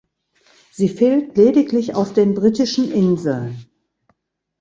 Sie fehlt lediglich auf den Britischen Inseln.